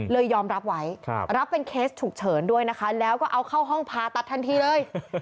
ยอมรับไว้รับเป็นเคสฉุกเฉินด้วยนะคะแล้วก็เอาเข้าห้องผ่าตัดทันทีเลย